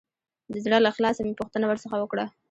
د زړه له اخلاصه مې پوښتنه ورڅخه وکړه.